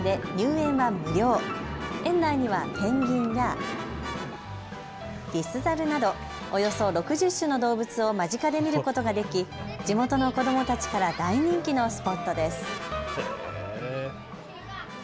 園内にはペンギンや、リスザルなど、およそ６０種の動物を間近で見ることができ地元の子どもたちから大人気のスポットです。